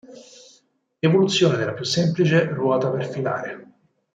Evoluzione della più semplice ruota per filare.